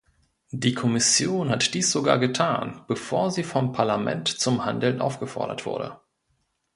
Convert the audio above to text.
Die Kommission hat dies sogar getan, bevor sie vom Parlament zum Handeln aufgefordert wurde.